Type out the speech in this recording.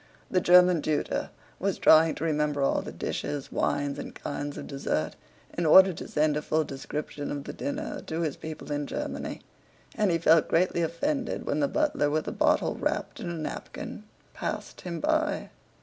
The German tutor was trying to remember all the dishes, wines, and kinds of dessert, in order to send a full description of the dinner to his people in Germany; and he felt greatly offended when the butler with a bottle wrapped in a napkin passed him by.